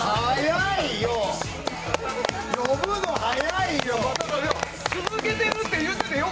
早いよ！